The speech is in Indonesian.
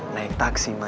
naik taksi ma